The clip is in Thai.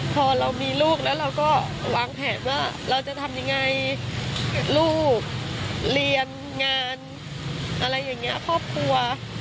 พอเรามีลูกแล้วเราก็วางแผนว่าเราจะทำยังไงลูกเรียนงานอะไรอย่างนี้ครอบครัว